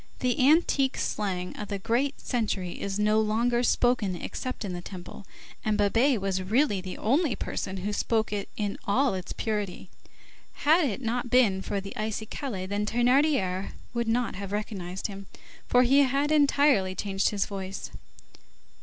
The antique slang of the great century is no longer spoken except in the Temple, and Babet was really the only person who spoke it in all its purity. Had it not been for the icicaille, Thénardier would not have recognized him, for he had entirely changed his voice.